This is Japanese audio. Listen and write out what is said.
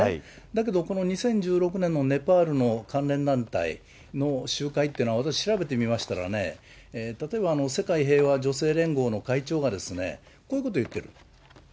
だけどこの２０１６年のネパールの関連団体の集会っていうのは、私調べてみましたけれどもね、例えば世界平和女性連合の会長がですね、こういうことを言っている。